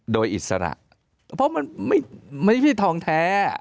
โดยอิสระเพราะมันไม่ใช่ทองแท้